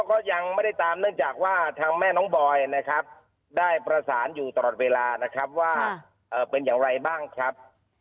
ก็ยังไม่ได้ตามเนื่องจากว่าทางแม่น้องบอยนะครับได้ประสานอยู่ตลอดเวลานะครับว่าเป็นอย่างไรบ้างครับ